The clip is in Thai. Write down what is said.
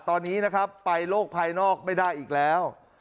ตอนนี้นะครับไปโลกภายนอกไม่ได้อีกแล้ว